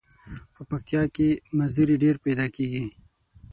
په پکتیا کې مزري ډیر پیداکیږي.